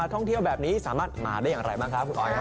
ท่องเที่ยวแบบนี้สามารถมาได้อย่างไรบ้างครับคุณออยครับ